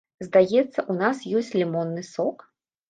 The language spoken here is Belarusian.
Здаецца, у нас ёсць лімонны сок?